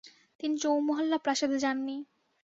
তিনি চৌমহল্লা প্রাসাদে যাননি।